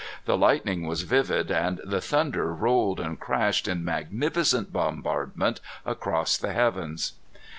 The lightning was vivid, and the thunder rolled and crashed in magnificent bombardment across the heavens.